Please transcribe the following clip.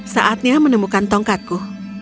saatnya menemukan tongkatku